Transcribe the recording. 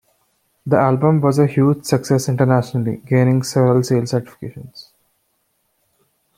The album was a huge success internationally, gaining several sales certifications.